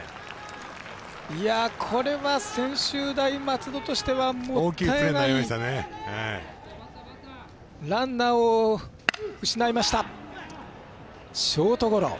これは専修大松戸としてもったいないランナーを失いました。